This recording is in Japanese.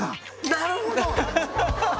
なるほど！